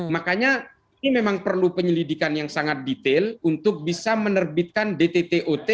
makanya ini memang perlu penyelidikan yang sangat detail untuk bisa menerbitkan dttot